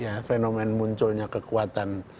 ya fenomen munculnya kekuatan